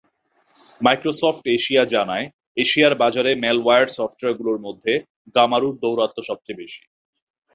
Microsoft Asia জানায়, এশিয়ার বাজারে ম্যালওয়্যার সফটওয়্যারগুলোর মধ্যে গামারুর দৌরাত্ম্য সবচেয়ে বেশি।